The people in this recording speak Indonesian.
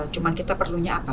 cuma kita perlunya apa